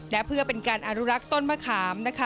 และเพื่อเป็นการอนุรักษ์ต้นมะขามนะคะ